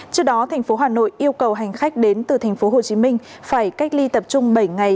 trước đó tp hcm yêu cầu hành khách đến từ tp hcm phải cách ly tập trung bảy ngày